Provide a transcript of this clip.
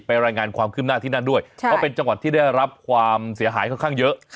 รายงานความคืบหน้าที่นั่นด้วยเพราะเป็นจังหวัดที่ได้รับความเสียหายค่อนข้างเยอะ